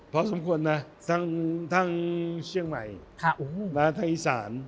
เพราะสมควรนะทั้งทั้งเชียงใหม่ค่ะโอ้โหแล้วทางอีสาน